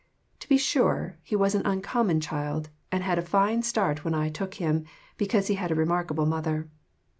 To be sure, he was an uncommon child, and had a fine start when I took him, because he had a remarkable mother.